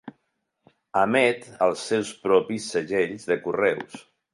Emet els seus propis segells de correus.